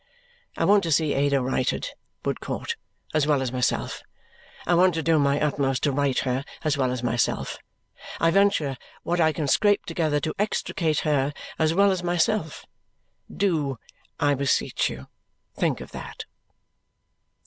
I want to see Ada righted, Woodcourt, as well as myself; I want to do my utmost to right her, as well as myself; I venture what I can scrape together to extricate her, as well as myself. Do, I beseech you, think of that!"